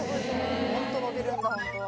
もっと伸びるんだホントは。